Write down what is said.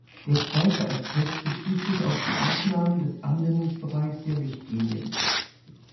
Der zweite Aspekt bezieht sich auf die Ausnahmen des Anwendungsbereichs der Richtlinie.